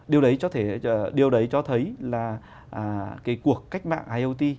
điều đấy cho thấy là cái cuộc cách mạng iot